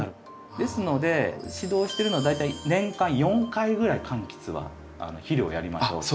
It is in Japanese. ですので指導してるのは大体年間４回ぐらい柑橘は肥料をやりましょうっていう。